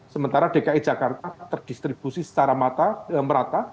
sementara dki jakarta terdistribusi secara merata